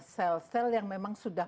sel sel yang memang sudah